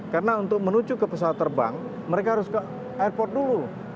karena untuk menuju ke pesawat terbang mereka harus ke airport dulu